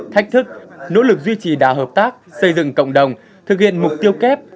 thách thức nỗ lực duy trì đà hợp tác xây dựng cộng đồng thực hiện mục tiêu kép